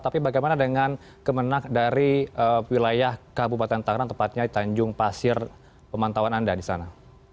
tapi bagaimana dengan kemenang dari wilayah kabupaten tangerang tepatnya di tanjung pasir pemantauan anda di sana